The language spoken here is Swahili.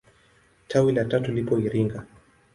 Tawi la tatu lipo Iringa.